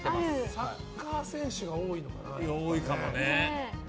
サッカー選手が多いかもね。